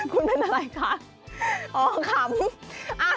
คุณเป็นอะไรคะอ๋อขำ